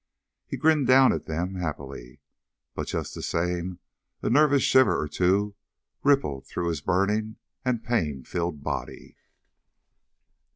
He grinned down at them happily, but just the same a nervous shiver or two rippled through his burning and pain filled body.